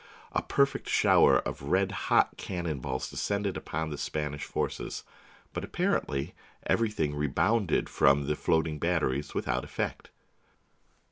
A perfect shower of red hot cannon balls descended upon the Spanish forces; but apparently everything rebounded from the floating batteries without effect.